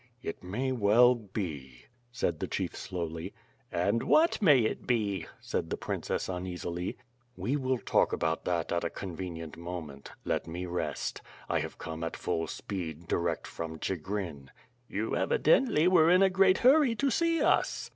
"It may well be," said the chief slowly. "And what may it be?" said the princess uneasily. "We will talk about that at a convenient moment. Let me rest. I have come at ful speed direct from Chigrin." "You evidently wore in a great hurry to see us."